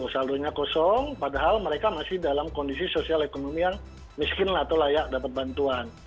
saldonya kosong padahal mereka masih dalam kondisi sosial ekonomi yang miskin atau layak dapat bantuan